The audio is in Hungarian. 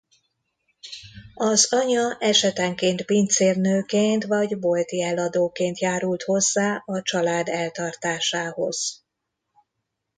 Az anya esetenként pincérnőként vagy bolti eladóként járult hozzá a család eltartásához.